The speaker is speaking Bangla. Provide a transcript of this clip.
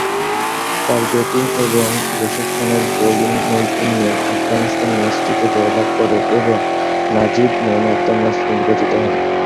তার ব্যাটিং এবং রশিদ খানের বোলিং নৈপুণ্যে আফগানিস্তান ম্যাচটিতে জয়লাভ করে এবং Najib man of the match নির্বাচিত হন।